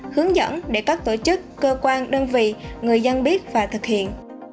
hướng dẫn để các tổ chức cơ quan đơn vị người dân biết và thực hiện